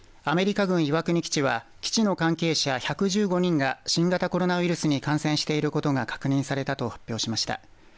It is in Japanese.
アメリカ軍岩国基地は基地の関係者１１５人が新型コロナウイルスに感染していることが確認されたと発表しました。